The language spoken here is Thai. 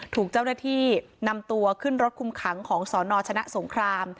ถูกเจ้าหน้าที่นำตัวขึ้นรถคุมขังของสนชนะสงคราม